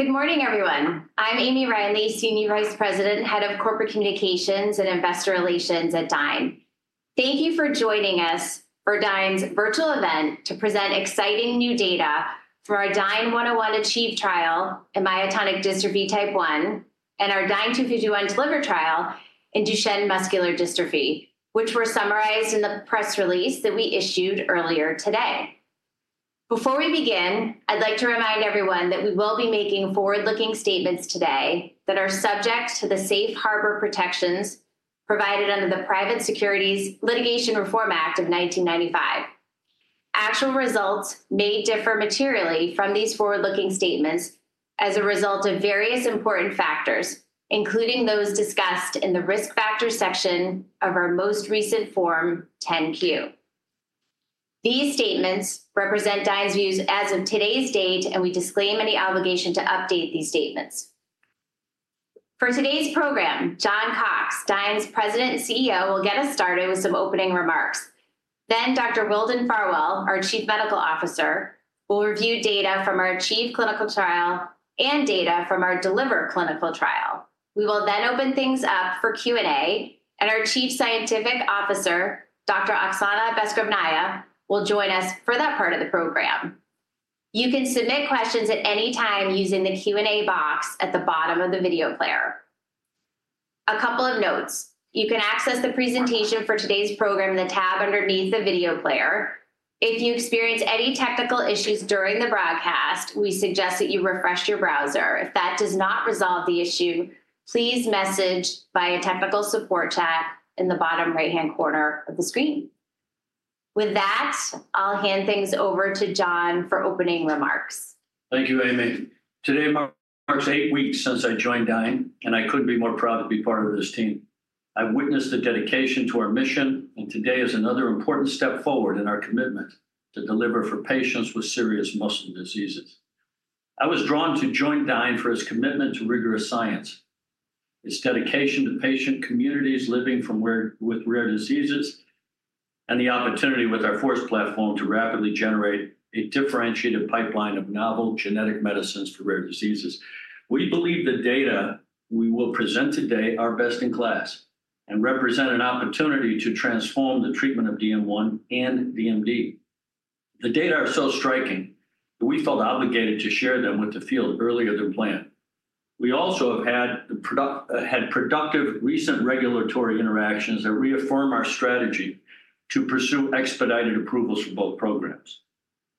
Good morning, everyone. I'm Amy Reilly, Senior Vice President, Head of Corporate Communications and Investor Relations at Dyne. Thank you for joining us for Dyne's Virtual Event to present exciting new data for our DYNE-101 ACHIEVE trial in myotonic dystrophy type 1, and our DYNE-251 DELIVER trial in Duchenne muscular dystrophy, which were summarized in the press release that we issued earlier today. Before we begin, I'd like to remind everyone that we will be making forward-looking statements today that are subject to the safe harbor protections provided under the Private Securities Litigation Reform Act of 1995. Actual results may differ materially from these forward-looking statements as a result of various important factors, including those discussed in the Risk Factors section of our most recent Form 10-Q. These statements represent Dyne's views as of today's date, and we disclaim any obligation to update these statements. For today's program, John Cox, Dyne's President and CEO, will get us started with some opening remarks. Then Dr. Wildon Farwell, our Chief Medical Officer, will review data from our ACHIEVE clinical trial and data from our DELIVER clinical trial. We will then open things up for Q&A, and our Chief Scientific Officer, Dr. Oxana Beskrovnaya, will join us for that part of the program. You can submit questions at any time using the Q&A box at the bottom of the video player. A couple of notes: You can access the presentation for today's program in the tab underneath the video player. If you experience any technical issues during the broadcast, we suggest that you refresh your browser. If that does not resolve the issue, please message via technical support chat in the bottom right-hand corner of the screen. With that, I'll hand things over to John for opening remarks. Thank you, Amy. Today marks eight weeks since I joined Dyne, and I couldn't be more proud to be part of this team. I've witnessed the dedication to our mission, and today is another important step forward in our commitment to deliver for patients with serious muscle diseases. I was drawn to join Dyne for its commitment to rigorous science, its dedication to patient communities living with rare diseases, and the opportunity with our FORCE platform to rapidly generate a differentiated pipeline of novel genetic medicines for rare diseases. We believe the data we will present today are best in class and represent an opportunity to transform the treatment of DM1 and DMD. The data are so striking that we felt obligated to share them with the field earlier than planned. We also have had productive recent regulatory interactions that reaffirm our strategy to pursue expedited approvals for both programs.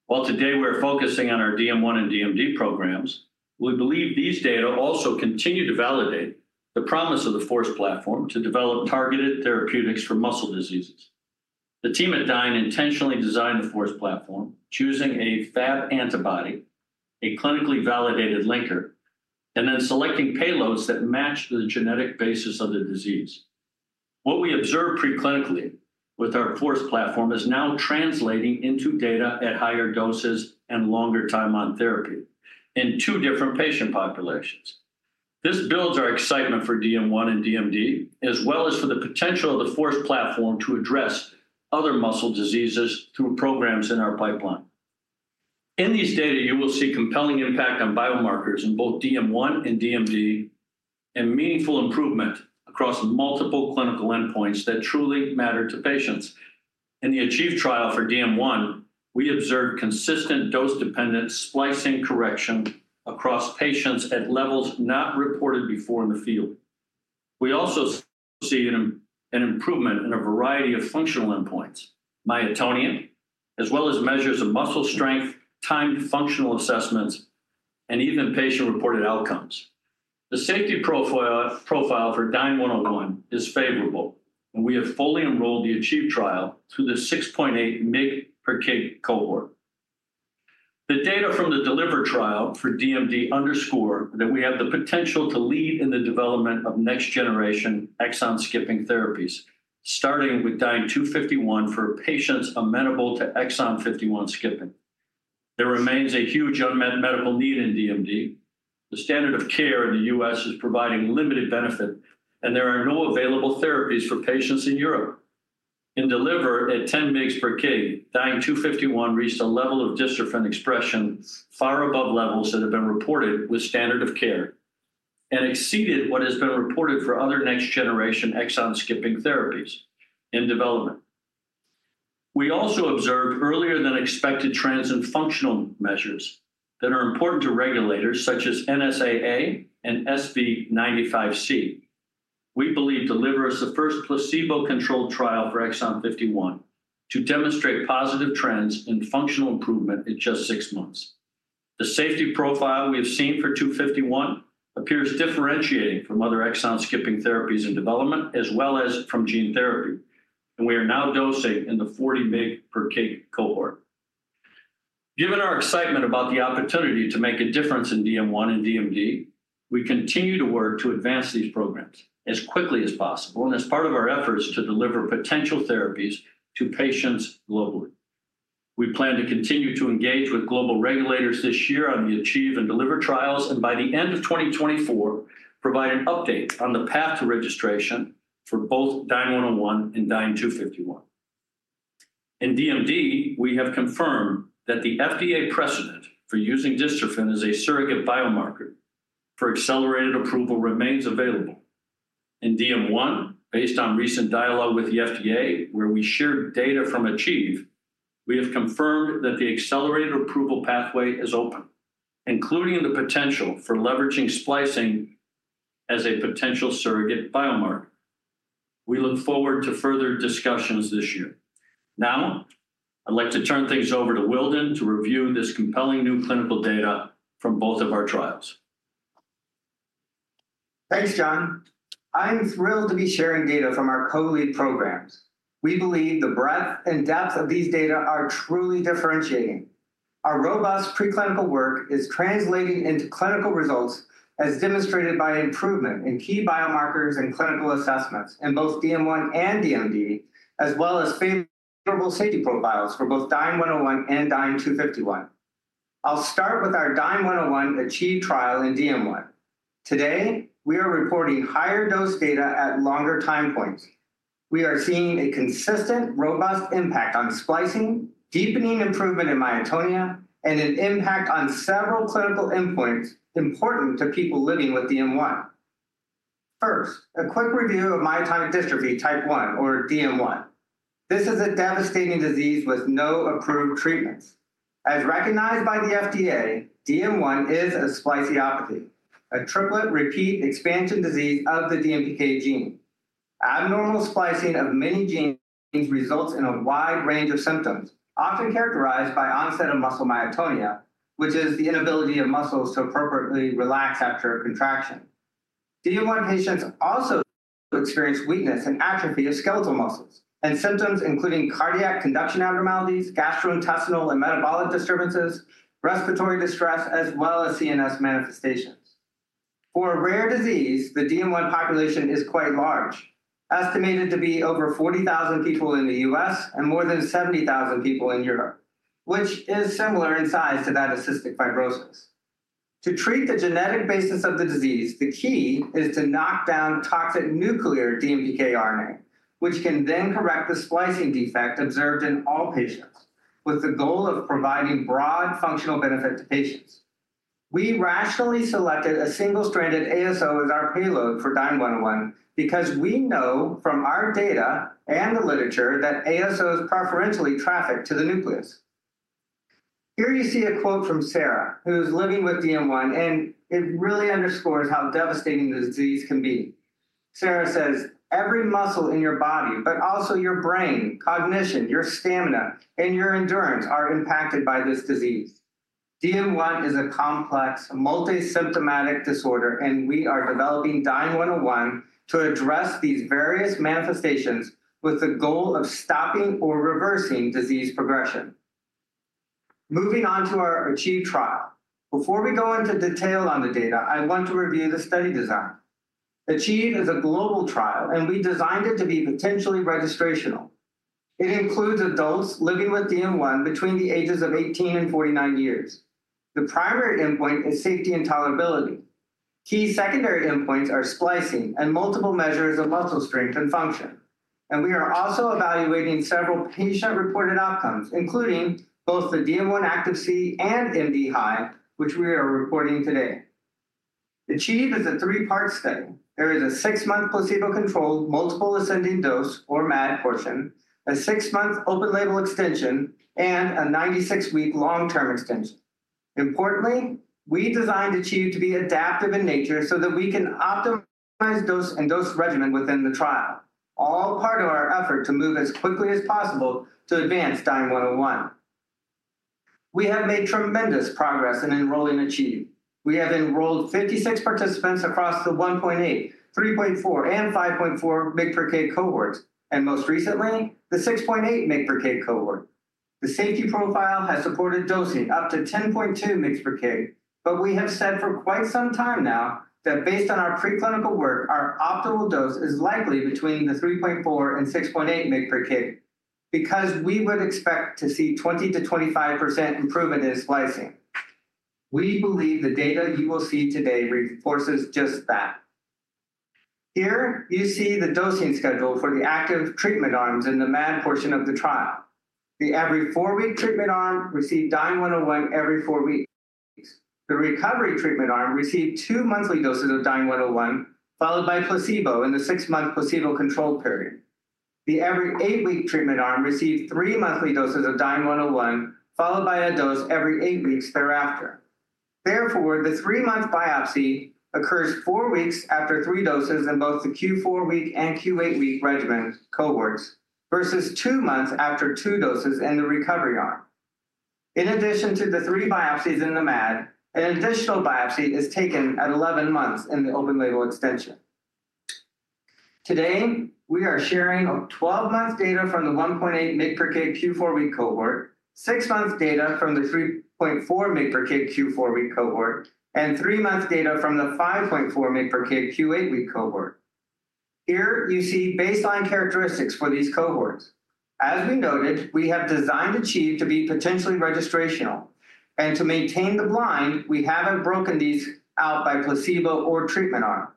While today we're focusing on our DM1 and DMD programs, we believe these data also continue to validate the promise of the FORCE platform to develop targeted therapeutics for muscle diseases. The team at Dyne intentionally designed the FORCE platform, choosing a Fab antibody, a clinically validated linker and then selecting payloads that match the genetic basis of the disease. What we observed preclinically with our FORCE platform is now translating into data at higher doses and longer time on therapy in two different patient populations. This builds our excitement for DM1 and DMD, as well as for the potential of the FORCE platform to address other muscle diseases through programs in our pipeline. In these data, you will see compelling impact on biomarkers in both DM1 and DMD, and meaningful improvement across multiple clinical endpoints that truly matter to patients. In the ACHIEVE trial for DM1, we observed consistent dose-dependent splicing correction across patients at levels not reported before in the field. We also see an improvement in a variety of functional endpoints, myotonia, as well as measures of muscle strength, timed functional assessments, and even patient-reported outcomes. The safety profile for DYNE-101 is favorable, and we have fully enrolled the ACHIEVE trial through the 6.8 mg/kg cohort. The data from the DELIVER trial for DMD underscore that we have the potential to lead in the development of next-generation exon-skipping therapies, starting with DYNE-251 for patients amenable to exon 51 skipping. There remains a huge unmet medical need in DMD. The standard of care in the U.S. is providing limited benefit, and there are no available therapies for patients in Europe. In DELIVER, at 10 mg/kg, DYNE-251 reached a level of dystrophin expression far above levels that have been reported with standard of care and exceeded what has been reported for other next-generation exon-skipping therapies in development. We also observed earlier-than-expected trends in functional measures that are important to regulators, such as NSAA and SV95C. We believe DELIVER is the first placebo-controlled trial for exon 51 to demonstrate positive trends in functional improvement in just six months. The safety profile we have seen for DYNE-251 appears differentiating from other exon-skipping therapies in development as well as from gene therapy, and we are now dosing in the 40 mg/kg cohort. Given our excitement about the opportunity to make a difference in DM1 and DMD, we continue to work to advance these programs as quickly as possible and as part of our efforts to deliver potential therapies to patients globally. We plan to continue to engage with global regulators this year on the ACHIEVE and DELIVER trials, and by the end of 2024, provide an update on the path to registration for both DYNE-101 and DYNE-251. In DMD, we have confirmed that the FDA precedent for using dystrophin as a surrogate biomarker for accelerated approval remains available. In DM1, based on recent dialogue with the FDA, where we shared data from ACHIEVE, we have confirmed that the accelerated approval pathway is open, including the potential for leveraging splicing as a potential surrogate biomarker. We look forward to further discussions this year. Now, I'd like to turn things over to Wildon to review this compelling new clinical data from both of our trials. Thanks, John. I'm thrilled to be sharing data from our co-lead programs. We believe the breadth and depth of these data are truly differentiating. Our robust preclinical work is translating into clinical results, as demonstrated by improvement in key biomarkers and clinical assessments in both DM1 and DMD, as well as favorable safety profiles for both DYNE-101 and DYNE-251. I'll start with our DYNE-101 ACHIEVE trial in DM1. Today, we are reporting higher dose data at longer time points. We are seeing a consistent, robust impact on splicing, deepening improvement in myotonia, and an impact on several clinical endpoints important to people living with DM1. First, a quick review of myotonic dystrophy type 1 or DM1. This is a devastating disease with no approved treatments. As recognized by the FDA, DM1 is a spliceopathy, a triplet repeat expansion disease of the DMPK gene. Abnormal splicing of many genes results in a wide range of symptoms, often characterized by onset of muscle myotonia, which is the inability of muscles to appropriately relax after a contraction. DM1 patients also experience weakness and atrophy of skeletal muscles and symptoms, including cardiac conduction abnormalities, gastrointestinal and metabolic disturbances, respiratory distress, as well as CNS manifestations. For a rare disease, the DM1 population is quite large, estimated to be over 40,000 people in the U.S. and more than 70,000 people in Europe, which is similar in size to that of cystic fibrosis. To treat the genetic basis of the disease, the key is to knock down toxic nuclear DMPK RNA, which can then correct the splicing defect observed in all patients, with the goal of providing broad functional benefit to patients. We rationally selected a single-stranded ASO as our payload for DYNE-101 because we know from our data and the literature that ASOs preferentially traffic to the nucleus. Here you see a quote from Sarah, who's living with DM1, and it really underscores how devastating the disease can be. Sarah says, "Every muscle in your body, but also your brain, cognition, your stamina, and your endurance are impacted by this disease." DM1 is a complex, multi-symptomatic disorder, and we are developing DYNE-101 to address these various manifestations with the goal of stopping or reversing disease progression. Moving on to our ACHIEVE trial. Before we go into detail on the data, I want to review the study design. ACHIEVE is a global trial, and we designed it to be potentially registrational. It includes adults living with DM1 between the ages of 18 and 49 years. The primary endpoint is safety and tolerability. Key secondary endpoints are splicing and multiple measures of muscle strength and function, and we are also evaluating several patient-reported outcomes, including both the DM1-ACTIVc and MDHI, which we are reporting today. ACHIEVE is a three-part study. There is a 6-month placebo-controlled, multiple ascending dose, or MAD portion, a six-month open label extension, and a 96-week long-term extension. Importantly, we designed ACHIEVE to be adaptive in nature so that we can optimize dose and dose regimen within the trial, all part of our effort to move as quickly as possible to advance DYNE-101. We have made tremendous progress in enrolling ACHIEVE. We have enrolled 56 participants across the 1.8, 3.4, and 5.4 mg/kg cohorts, and most recently, the 6.8 mg/kg cohort. The safety profile has supported dosing up to 10.2 mg/kg, but we have said for quite some time now that based on our preclinical work, our optimal dose is likely between the 3.4 and 6.8 mg/kg because we would expect to see 20%-25% improvement in splicing. We believe the data you will see today reinforces just that. Here you see the dosing schedule for the active treatment arms in the MAD portion of the trial. The every four-week treatment arm received DYNE-101 every four weeks. The recovery treatment arm received two monthly doses of DYNE-101, followed by placebo in the six-month placebo control period. The every eight-week treatment arm received three monthly doses of DYNE-101, followed by a dose every eight weeks thereafter. Therefore, the three-month biopsy occurs four weeks after three doses in both the Q4-week and Q8-week regimen cohorts versus two months after two doses in the recovery arm. In addition to the three biopsies in the MAD, an additional biopsy is taken at 11 months in the open label extension. Today, we are sharing a 12-month data from the 1.8 mg/kg Q4-week cohort, six months data from the 3.4 mg/kg Q4-week cohort, and three months data from the 5.4 mg/kg Q8-week cohort. Here you see baseline characteristics for these cohorts. As we noted, we have designed ACHIEVE to be potentially registrational, and to maintain the blind, we haven't broken these out by placebo or treatment arm.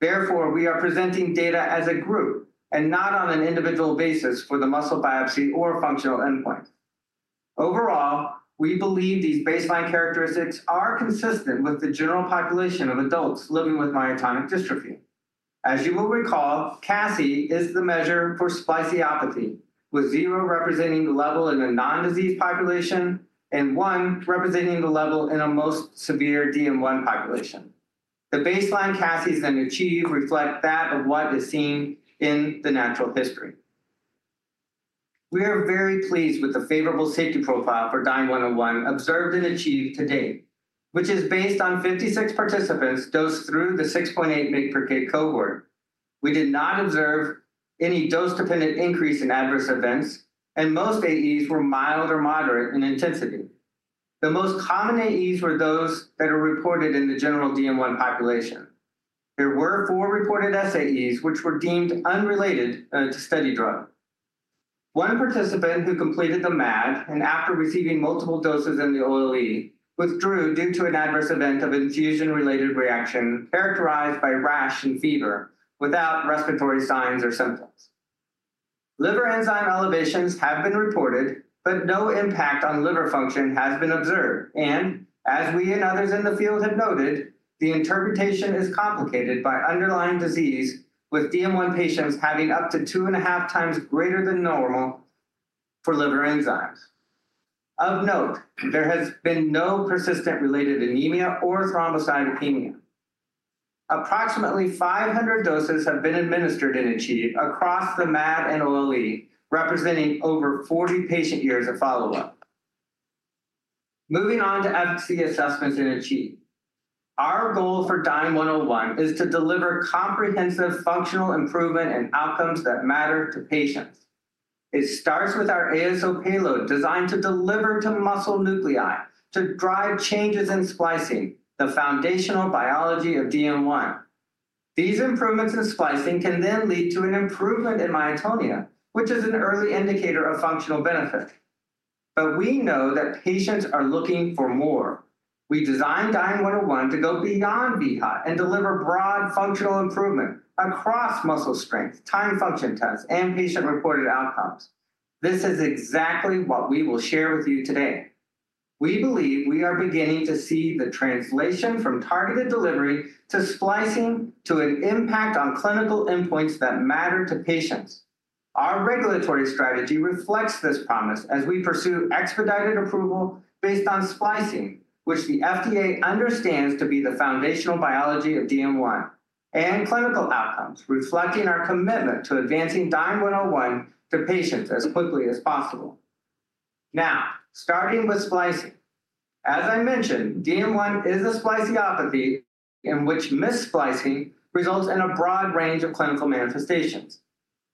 Therefore, we are presenting data as a group and not on an individual basis for the muscle biopsy or functional endpoint. Overall, we believe these baseline characteristics are consistent with the general population of adults living with myotonic dystrophy. As you will recall, CASI is the measure for spliceopathy, with zero representing the level in a non-disease population and one representing the level in a most severe DM1 population. The baseline CASIs in ACHIEVE reflect that of what is seen in the natural history. We are very pleased with the favorable safety profile for DYNE-101 observed in ACHIEVE to date, which is based on 56 participants dosed through the 6.8 mg/kg cohort. We did not observe any dose-dependent increase in adverse events, and most AEs were mild or moderate in intensity. The most common AEs were those that are reported in the general DM1 population. There were four reported SAEs, which were deemed unrelated to study drug. One participant who completed the MAD and after receiving multiple doses in the OLE, withdrew due to an adverse event of infusion-related reaction characterized by rash and fever without respiratory signs or symptoms. Liver enzyme elevations have been reported, but no impact on liver function has been observed, and as we and others in the field have noted, the interpretation is complicated by underlying disease, with DM1 patients having up to 2.5 times greater than normal for liver enzymes. Of note, there has been no persistent related anemia or thrombocytopenia. Approximately 500 doses have been administered in ACHIEVE across the MAD and OLE representing over 40 patient years of follow-up. Moving on to efficacy assessments in ACHIEVE. Our goal for DYNE-101 is to deliver comprehensive functional improvement and outcomes that matter to patients. It starts with our ASO payload designed to deliver to muscle nuclei to drive changes in splicing, the foundational biology of DM1. These improvements in splicing can then lead to an improvement in myotonia, which is an early indicator of functional benefit. But we know that patients are looking for more. We designed DYNE-101 to go beyond vHOT and deliver broad functional improvement across muscle strength, time function tests, and patient-reported outcomes. This is exactly what we will share with you today. We believe we are beginning to see the translation from targeted delivery to splicing to an impact on clinical endpoints that matter to patients. Our regulatory strategy reflects this promise as we pursue expedited approval based on splicing, which the FDA understands to be the foundational biology of DM1, and clinical outcomes, reflecting our commitment to advancing DYNE-101 to patients as quickly as possible. Now, starting with splicing. As I mentioned, DM1 is a spliceopathy in which mis-splicing results in a broad range of clinical manifestations.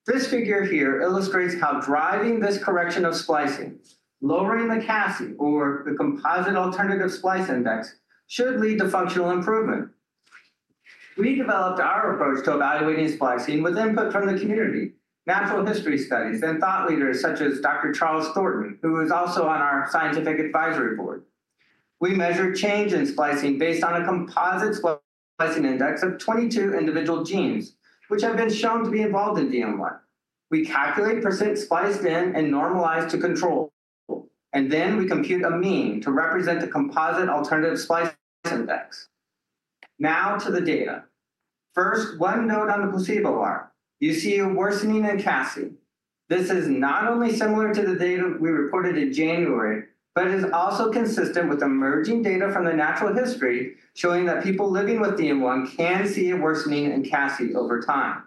This figure here illustrates how driving this correction of splicing, lowering the CASI or the composite alternative splice index, should lead to functional improvement. We developed our approach to evaluating splicing with input from the community, natural history studies, and thought leaders such as Dr. Charles Thornton, who is also on our scientific advisory board. We measure change in splicing based on a composite splicing index of 22 individual genes, which have been shown to be involved in DM1. We calculate percent spliced in and normalized to control, and then we compute a mean to represent the composite alternative splice index. Now to the data. First, one note on the placebo bar. You see a worsening in CASI. This is not only similar to the data we reported in January, but it is also consistent with emerging data from the natural history, showing that people living with DM1 can see a worsening in CASI over time.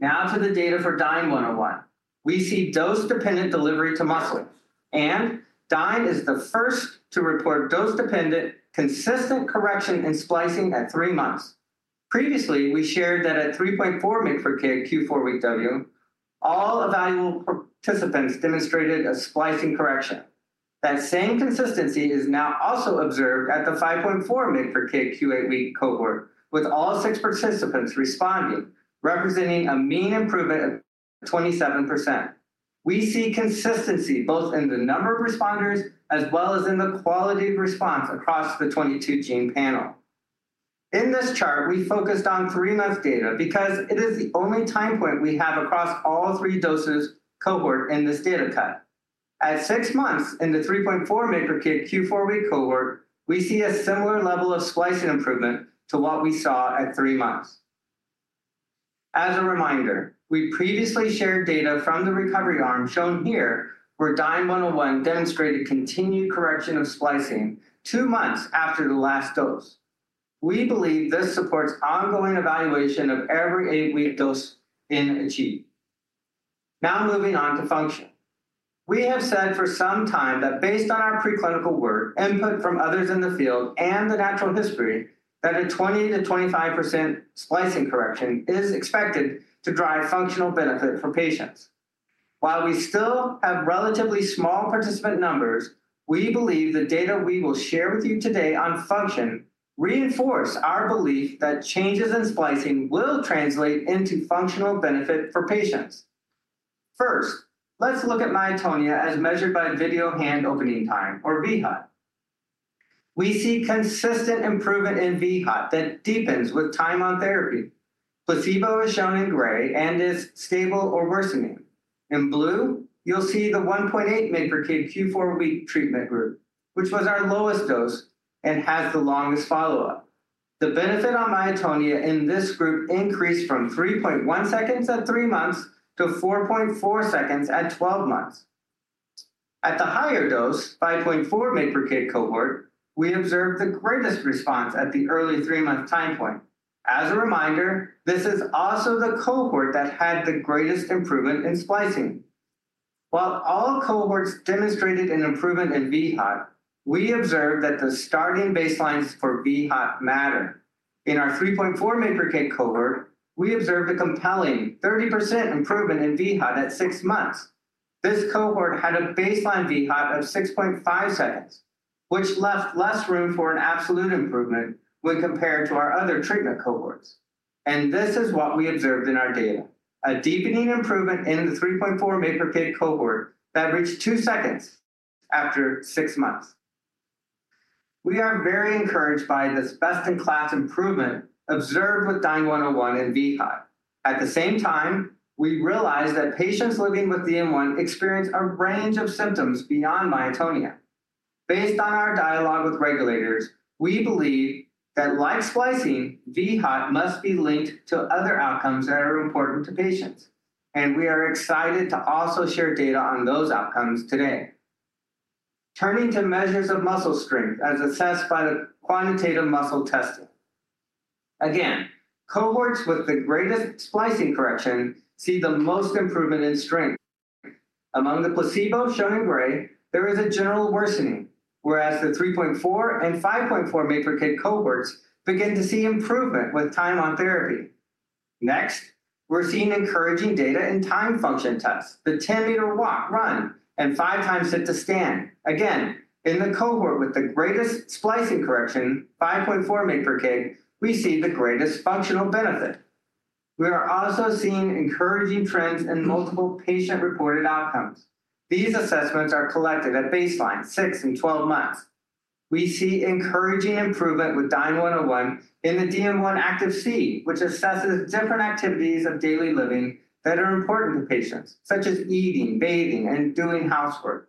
Now to the data for DYNE-101. We see dose-dependent delivery to muscle, and DYNE is the first to report dose-dependent, consistent correction in splicing at three months. Previously, we shared that at 3.4 mg/kg Q4-week, all evaluable participants demonstrated a splicing correction. That same consistency is now also observed at the 5.4 mg/kg Q8-week cohort, with all six participants responding, representing a mean improvement of 27%. We see consistency both in the number of responders as well as in the quality of response across the 22-gene panel. In this chart, we focused on three months data because it is the only time point we have across all three doses cohort in this data cut. At six months, in the 3.4 mg/kg Q4-week cohort, we see a similar level of splicing improvement to what we saw at three months. As a reminder, we previously shared data from the recovery arm, shown here, where DYNE-101 demonstrated continued correction of splicing two months after the last dose. We believe this supports ongoing evaluation of every eight-week dose in ACHIEVE. Now, moving on to function. We have said for some time that based on our preclinical work, input from others in the field and the natural history, that a 20%-25% splicing correction is expected to drive functional benefit for patients. While we still have relatively small participant numbers, we believe the data we will share with you today on function reinforce our belief that changes in splicing will translate into functional benefit for patients. First, let's look at myotonia as measured by video hand opening time or vHOT. We see consistent improvement in vHOT that deepens with time on therapy. Placebo is shown in gray and is stable or worsening. In blue, you'll see the 1.8 mg/kg Q4 week treatment group, which was our lowest dose and has the longest follow-up. The benefit on myotonia in this group increased from 3.1 seconds at three months to 4.4 seconds at 12 months. At the higher dose, 5.4 mg/kg cohort, we observed the greatest response at the early three-month time point. As a reminder, this is also the cohort that had the greatest improvement in splicing. While all cohorts demonstrated an improvement in vHOT, we observed that the starting baselines for vHOT matter. In our 3.4 mg/kg cohort, we observed a compelling 30% improvement in vHOT at six months. This cohort had a baseline vHOT of 6.5 seconds, which left less room for an absolute improvement when compared to our other treatment cohorts. This is what we observed in our data, a deepening improvement in the 3.4 mg/kg cohort that reached two seconds after six months. We are very encouraged by this best-in-class improvement observed with DYNE-101 in vHOT. At the same time, we realize that patients living with DM1 experience a range of symptoms beyond myotonia. Based on our dialogue with regulators, we believe that like splicing, vHOT must be linked to other outcomes that are important to patients, and we are excited to also share data on those outcomes today. Turning to measures of muscle strength as assessed by the quantitative muscle testing. Again, cohorts with the greatest splicing correction see the most improvement in strength. Among the placebo, shown in gray, there is a general worsening, whereas the 3.4 and 5.4 mg/kg cohorts begin to see improvement with time on therapy. Next, we're seeing encouraging data in timed function tests, the 10-meter walk, run, and 5-time sit to stand. Again, in the cohort with the greatest splicing correction, 5.4 mg/kg we see the greatest functional benefit. We are also seeing encouraging trends in multiple patient-reported outcomes. These assessments are collected at baseline, six, and 12 months. We see encouraging improvement with DYNE-101 in the DM1-ACTIVc, which assesses different activities of daily living that are important to patients, such as eating, bathing, and doing housework.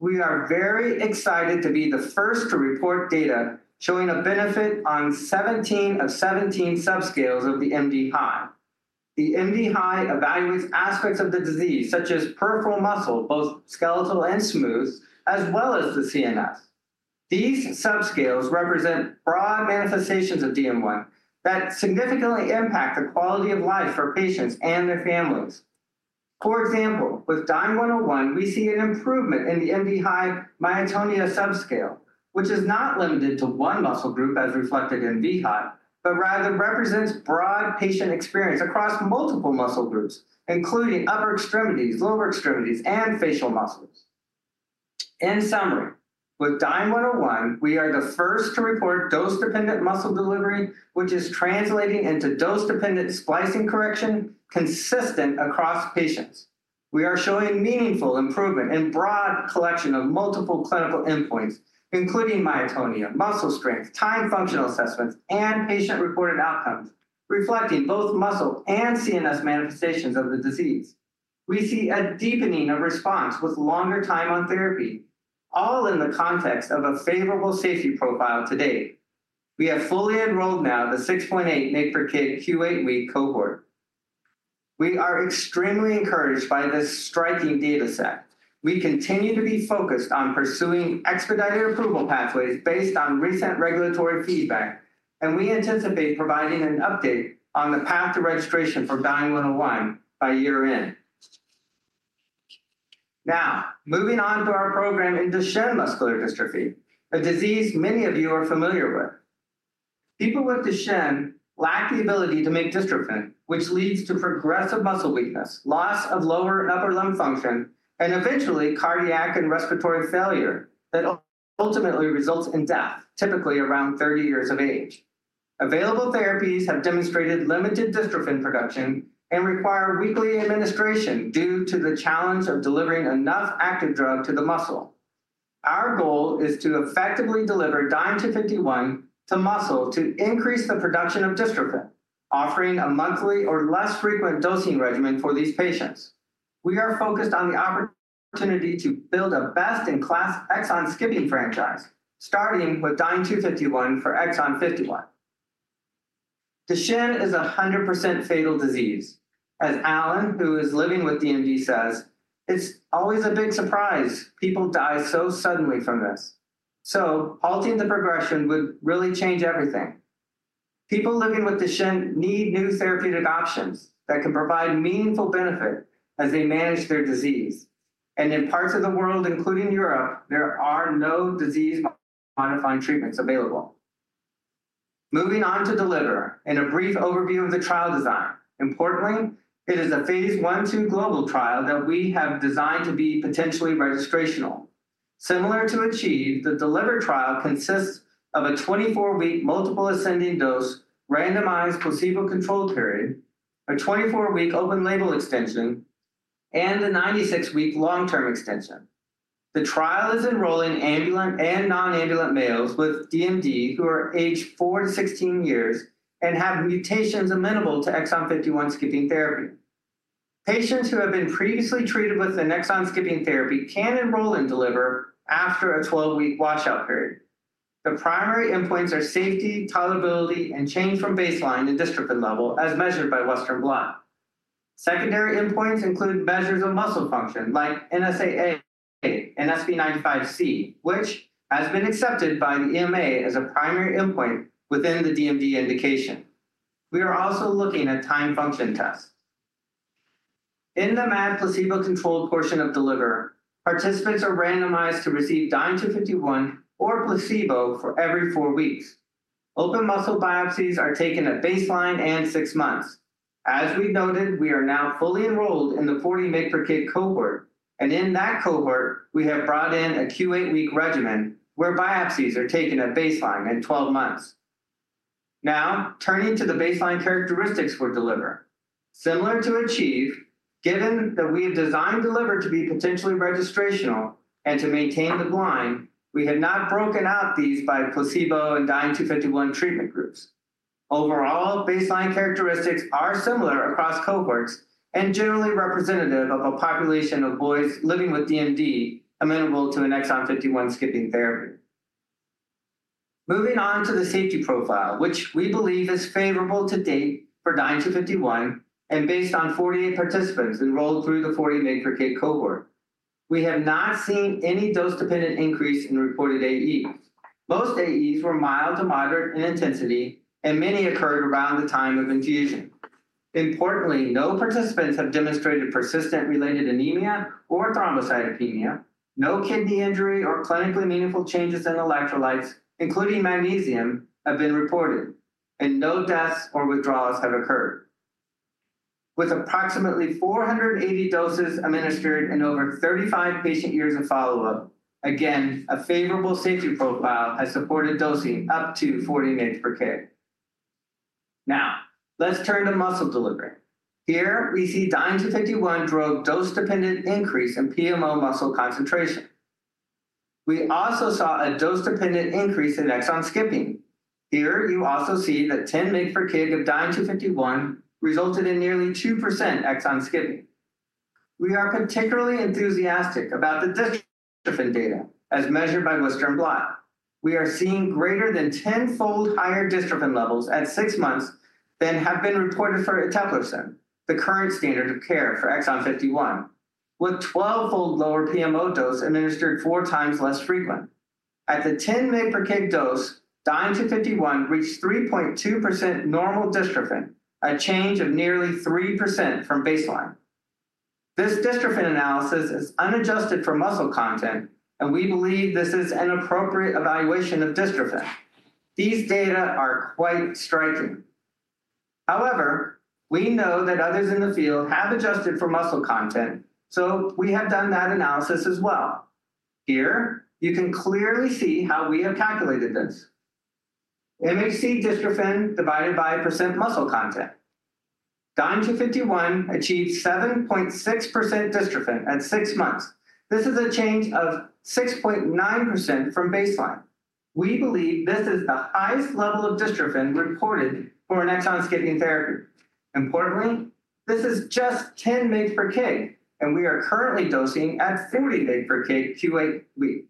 We are very excited to be the first to report data showing a benefit on 17 of 17 subscales of the MDHI. The MDHI evaluates aspects of the disease, such as peripheral muscle, both skeletal and smooth, as well as the CNS. These subscales represent broad manifestations of DM1 that significantly impact the quality of life for patients and their families. For example, with DYNE-101, we see an improvement in the MDHI myotonia subscale, which is not limited to one muscle group as reflected in vHOT, but rather represents broad patient experience across multiple muscle groups, including upper extremities, lower extremities, and facial muscles. In summary, with DYNE-101, we are the first to report dose-dependent muscle delivery, which is translating into dose-dependent splicing correction consistent across patients. We are showing meaningful improvement in broad collection of multiple clinical endpoints, including myotonia, muscle strength, timed functional assessments, and patient-reported outcomes, reflecting both muscle and CNS manifestations of the disease. We see a deepening of response with longer time on therapy, all in the context of a favorable safety profile to date. We have fully enrolled now the 6.8 mg/kg Q8 week cohort. We are extremely encouraged by this striking data set. We continue to be focused on pursuing expedited approval pathways based on recent regulatory feedback, and we anticipate providing an update on the path to registration for DYNE-101 by year-end. Now, moving on to our program in Duchenne muscular dystrophy, a disease many of you are familiar with. People with Duchenne lack the ability to make dystrophin, which leads to progressive muscle weakness, loss of lower and upper limb function, and eventually cardiac and respiratory failure that ultimately results in death, typically around 30 years of age. Available therapies have demonstrated limited dystrophin production and require weekly administration due to the challenge of delivering enough active drug to the muscle. Our goal is to effectively deliver DYNE-251 to muscle to increase the production of dystrophin, offering a monthly or less frequent dosing regimen for these patients. We are focused on the opportunity to build a best-in-class exon skipping franchise, starting with DYNE-251 for exon 51. Duchenne is a 100% fatal disease. As Alan, who is living with DMD, says, "It's always a big surprise. People die so suddenly from this." So halting the progression would really change everything. People living with Duchenne need new therapeutic options that can provide meaningful benefit as they manage their disease. And in parts of the world, including Europe, there are no disease-modifying treatments available. Moving on to DELIVER and a brief overview of the trial design. Importantly, it is a Phase I/II global trial that we have designed to be potentially registrational. Similar to ACHIEVE, the DELIVER trial consists of a 24-week multiple ascending dose, randomized placebo-controlled period, a 24-week open label extension, and a 96-week long-term extension. The trial is enrolling ambulant and non-ambulant males with DMD who are aged 4-16 years and have mutations amenable to exon 51 skipping therapy. Patients who have been previously treated with an exon-skipping therapy can enroll in DELIVER after a 12-week washout period. The primary endpoints are safety, tolerability, and change from baseline to dystrophin level, as measured by Western blot. Secondary endpoints include measures of muscle function like NSAA and SV95C, which has been accepted by the EMA as a primary endpoint within the DMD indication. We are also looking at time function tests. In the MAD placebo-controlled portion of DELIVER, participants are randomized to receive DYNE-251 or placebo every four weeks. Open muscle biopsies are taken at baseline and six months. As we've noted, we are now fully enrolled in the 40 mg/kg cohort, and in that cohort, we have brought in a Q8-week regimen where biopsies are taken at baseline and 12 months. Now, turning to the baseline characteristics for DELIVER. Similar to ACHIEVE, given that we've designed DELIVER to be potentially registrational and to maintain the blind, we have not broken out these by placebo and DYNE-251 treatment groups. Overall, baseline characteristics are similar across cohorts and generally representative of a population of boys living with DMD amenable to an exon 51 skipping therapy. Moving on to the safety profile, which we believe is favorable to date for DYNE-251, and based on 48 participants enrolled through the 40 mg per kg cohort, we have not seen any dose-dependent increase in reported AEs. Most AEs were mild to moderate in intensity, and many occurred around the time of infusion. Importantly, no participants have demonstrated persistent related anemia or thrombocytopenia. No kidney injury or clinically meaningful changes in electrolytes, including magnesium, have been reported, and no deaths or withdrawals have occurred. With approximately 480 doses administered in over 35 patient years of follow-up, again, a favorable safety profile has supported dosing up to 40 mg/kg. Now, let's turn to muscle delivery. Here, we see DYNE-251 drove dose-dependent increase in PMO muscle concentration. We also saw a dose-dependent increase in exon skipping. Here, you also see that 10 mg/kg of DYNE-251 resulted in nearly 2% exon skipping. We are particularly enthusiastic about the dystrophin data, as measured by Western blot. We are seeing greater than 10-fold higher dystrophin levels at six months than have been reported for eteplirsen, the current standard of care for exon 51, with 12-fold lower PMO dose administered four times less frequent. At the 10 mg/kg dose, DYNE-251 reached 3.2% normal dystrophin, a change of nearly 3% from baseline. This dystrophin analysis is unadjusted for muscle content, and we believe this is an appropriate evaluation of dystrophin. These data are quite striking. However, we know that others in the field have adjusted for muscle content, so we have done that analysis as well. Here, you can clearly see how we have calculated this. MHC dystrophin divided by percent muscle content. DYNE-251 achieved 7.6% dystrophin at six months. This is a change of 6.9% from baseline. We believe this is the highest level of dystrophin reported for an exon-skipping therapy. Importantly, this is just 10 mg/kg, and we are currently dosing at 40 mg/kg Q8-week.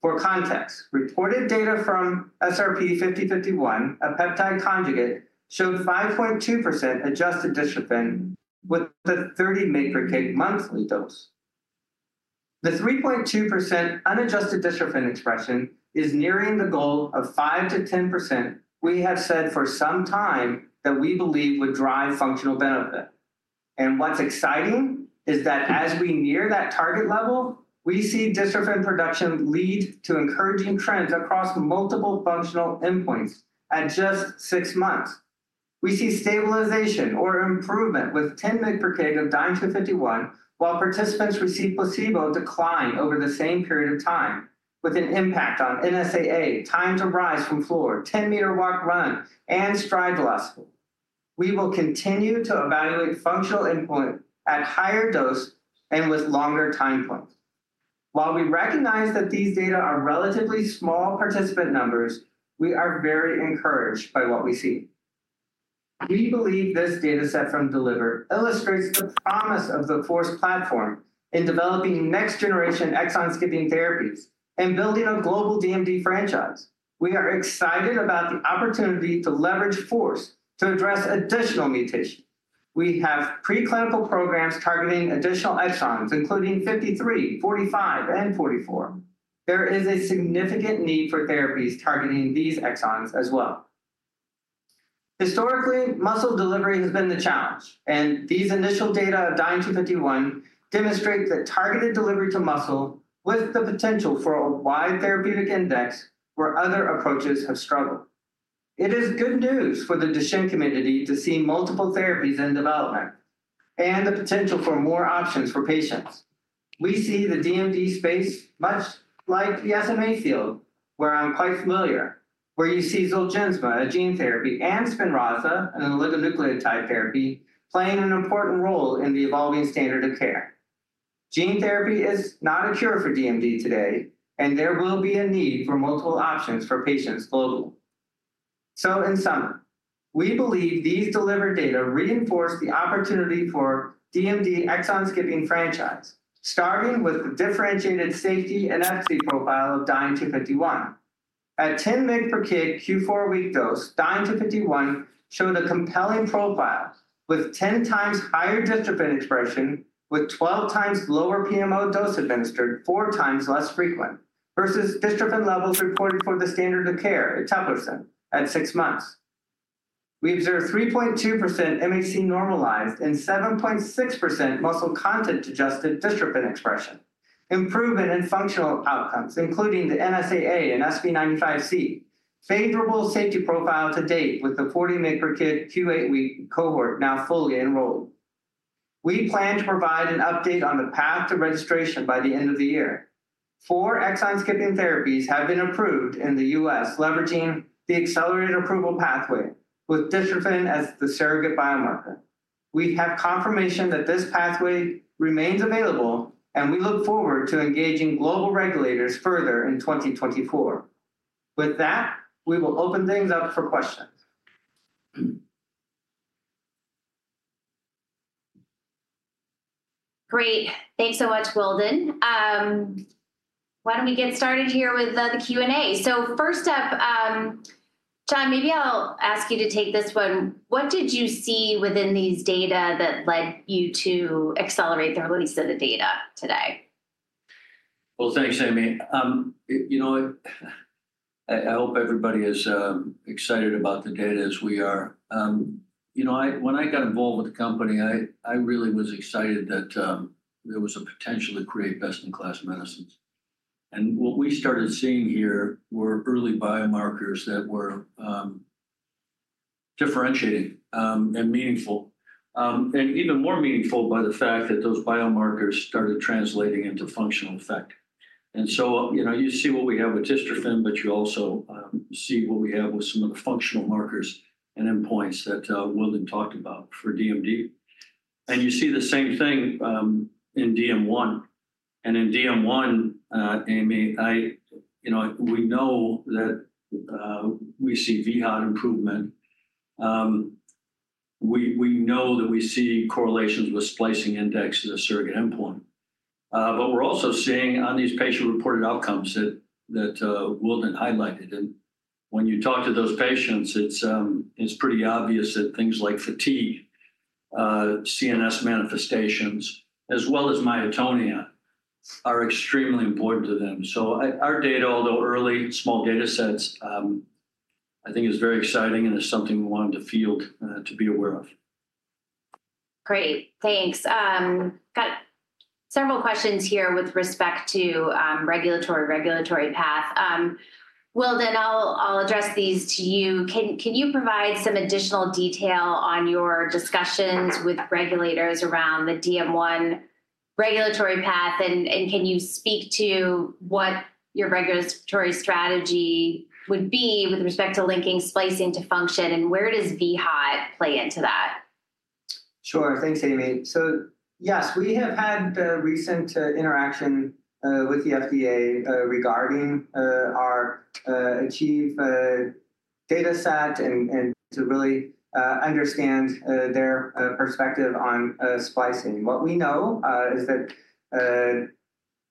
For context, reported data from SRP-5051, a peptide conjugate, showed 5.2% adjusted dystrophin with a 30 mg/kg monthly dose. The 3.2% unadjusted dystrophin expression is nearing the goal of 5%-10% we have said for some time that we believe would drive functional benefit. And what's exciting is that as we near that target level, we see dystrophin production lead to encouraging trends across multiple functional endpoints at just six months. We see stabilization or improvement with 10 mg/kg of DYNE-251, while participants who received placebo decline over the same period of time, with an impact on NSAA, time to rise from floor, 10-meter walk/run, and stride velocity. We will continue to evaluate functional endpoint at higher dose and with longer time points. While we recognize that these data are relatively small participant numbers, we are very encouraged by what we see. We believe this data set from DELIVER illustrates the promise of the FORCE platform in developing next-generation exon-skipping therapies and building a global DMD franchise. We are excited about the opportunity to leverage FORCE to address additional mutations. We have preclinical programs targeting additional exons, including 53, 45, and 44. There is a significant need for therapies targeting these exons as well. Historically, muscle delivery has been the challenge, and these initial data of DYNE-251 demonstrate that targeted delivery to muscle with the potential for a wide therapeutic index where other approaches have struggled. It is good news for the Duchenne community to see multiple therapies in development and the potential for more options for patients. We see the DMD space much like the SMA field, where I'm quite familiar, where you see Zolgensma, a gene therapy, and Spinraza, an oligonucleotide therapy, playing an important role in the evolving standard of care. Gene therapy is not a cure for DMD today, and there will be a need for multiple options for patients globally. So in summary, we believe these DELIVER data reinforce the opportunity for DMD exon-skipping franchise, starting with the differentiated safety and FORCE profile of DYNE-251. At 10 mg/kg Q 4-week dose, DYNE-251 showed a compelling profile with 10 times higher dystrophin expression, with 12 times lower PMO dose administered, four times less frequent, versus dystrophin levels reported for the standard of care, eteplirsen, at six months. We observed 3.2% MHC normalized and 7.6% muscle content-adjusted dystrophin expression, improvement in functional outcomes, including the NSAA and SV95C, favorable safety profile to date, with the 40 mg/kg Q 8-week cohort now fully enrolled. We plan to provide an update on the path to registration by the end of the year. Four exon-skipping therapies have been approved in the U.S., leveraging the accelerated approval pathway, with dystrophin as the surrogate biomarker. We have confirmation that this pathway remains available, and we look forward to engaging global regulators further in 2024. With that, we will open things up for questions. Great. Thanks so much, Wildon. Why don't we get started here with the Q&A? So first up, John, maybe I'll ask you to take this one. What did you see within these data that led you to accelerate the release of the data today? Well, thanks, Amy. You know, I hope everybody is excited about the data as we are. You know, I... When I got involved with the company, I really was excited that there was a potential to create best-in-class medicines. And what we started seeing here were early biomarkers that were differentiating and meaningful, and even more meaningful by the fact that those biomarkers started translating into functional effect. And so, you know, you see what we have with dystrophin, but you also see what we have with some of the functional markers and endpoints that Wildon talked about for DMD. And you see the same thing in DM1. And in DM1, Amy, you know, we know that we see vHOT improvement. We know that we see correlations with splicing index as a surrogate endpoint. But we're also seeing on these patient-reported outcomes that Wildon highlighted, and when you talk to those patients, it's pretty obvious that things like fatigue, CNS manifestations, as well as myotonia, are extremely important to them. So our data, although early, small data sets, I think is very exciting, and it's something we wanted the field to be aware of. Great, thanks. Got several questions here with respect to regulatory path. Wildon, I'll address these to you. Can you provide some additional detail on your discussions with regulators around the DM1 regulatory path, and can you speak to what your regulatory strategy would be with respect to linking splicing to function, and where does vHOT play into that? Sure. Thanks, Amy. So yes, we have had a recent interaction with the FDA regarding our ACHIEVE data set and to really understand their perspective on splicing. What we know is that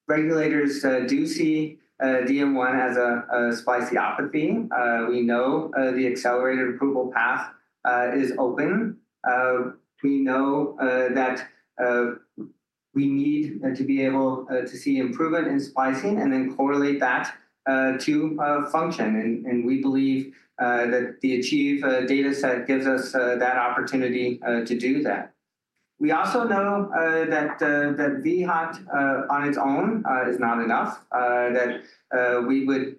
regulators do see DM1 as a spliceopathy. We know the accelerated approval path is open. We know that we need to be able to see improvement in splicing and then correlate that to function. And we believe that the ACHIEVE data set gives us that opportunity to do that. We also know that vHOT on its own is not enough, that we would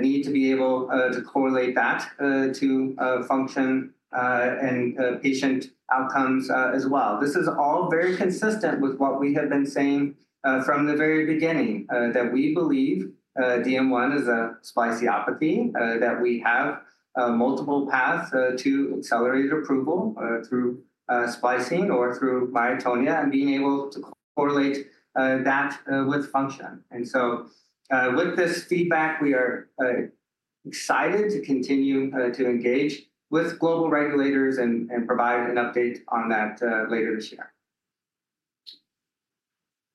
need to be able to correlate that to function and patient outcomes as well. This is all very consistent with what we have been saying from the very beginning, that we believe DM1 is a spliceopathy, that we have multiple paths to accelerated approval through splicing or through myotonia and being able to correlate that with function. And so, with this feedback, we are excited to continue to engage with global regulators and provide an update on that later this year.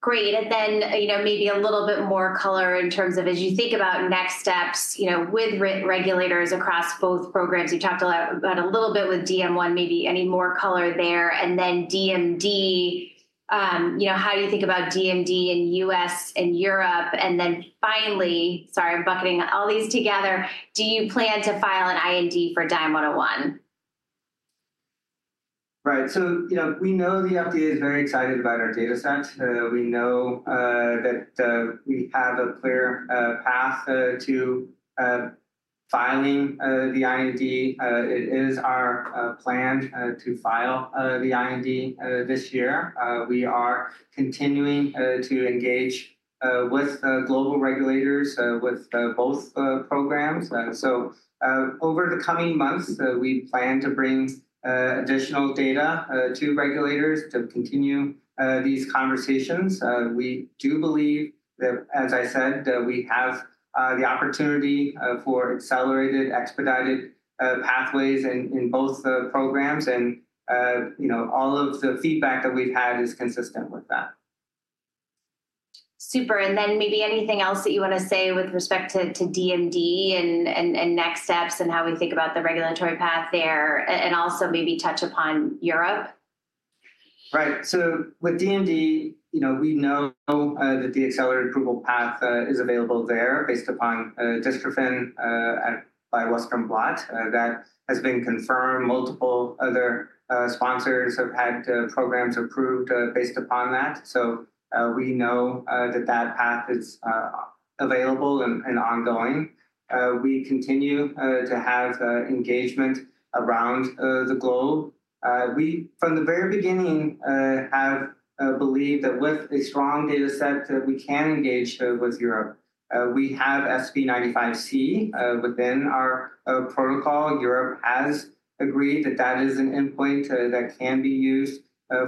Great. And then, you know, maybe a little bit more color in terms of as you think about next steps, you know, with regulators across both programs. You talked a lot about a little bit with DM1, maybe any more color there. And then DMD, you know, how do you think about DMD in US and Europe? And then finally, sorry, I'm bucketing all these together: Do you plan to file an IND for DYNE-101? Right. So, you know, we know the FDA is very excited about our data set. We know that we have a clear path to filing the IND. It is our plan to file the IND this year. We are continuing to engage with the global regulators with both programs. So, over the coming months, we plan to bring additional data to regulators to continue these conversations. We do believe that, as I said, that we have the opportunity for accelerated, expedited pathways in both the programs and, you know, all of the feedback that we've had is consistent with that. Super, and then maybe anything else that you wanna say with respect to DMD and next steps and how we think about the regulatory path there, and also maybe touch upon Europe? Right. So with DMD, you know, we know that the accelerated approval path is available there based upon dystrophin by Western blot. That has been confirmed. Multiple other sponsors have had programs approved based upon that. So, we know that that path is available and ongoing. We continue to have engagement around the globe. We, from the very beginning, have believed that with a strong data set, that we can engage with Europe. We have SV95C within our protocol. Europe has agreed that that is an endpoint that can be used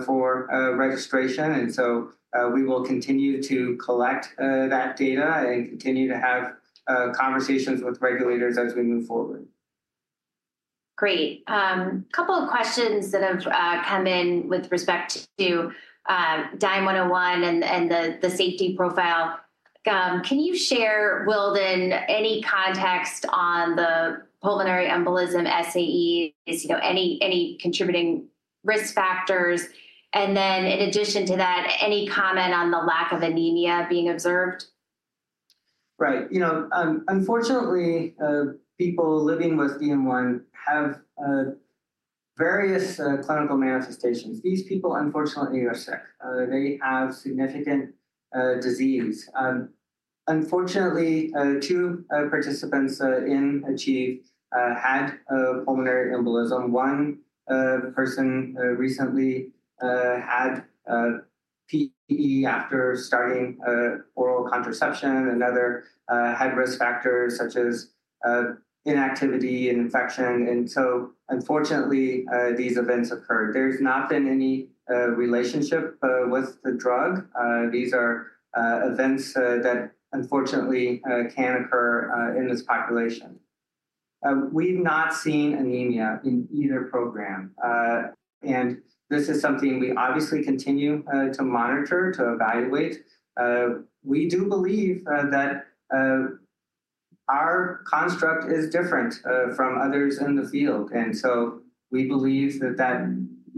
for registration, and so, we will continue to collect that data and continue to have conversations with regulators as we move forward. Great. Couple of questions that have come in with respect to DYNE-101 and the safety profile. Can you share, Wildon, any context on the pulmonary embolism SAEs, you know, any contributing risk factors? And then in addition to that, any comment on the lack of anemia being observed? Right. You know, unfortunately, people living with DM1 have various clinical manifestations. These people unfortunately are sick. They have significant disease. Unfortunately, two participants in ACHIEVE had pulmonary embolism. One person recently had PE after starting oral contraception. Another had risk factors such as inactivity and infection, and so unfortunately these events occurred. There's not been any relationship with the drug. These are events that unfortunately can occur in this population. We've not seen anemia in either program. And this is something we obviously continue to monitor, to evaluate. We do believe that our construct is different from others in the field, and so we believe that that